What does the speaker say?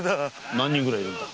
何人ぐらいいるんだ？